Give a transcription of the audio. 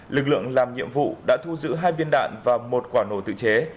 lực lượng làm nhiệm vụ đã thu giữ hai viên đạn và một quả nổ tự chế